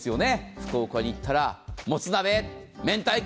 福岡に行ったらもつ鍋明太子。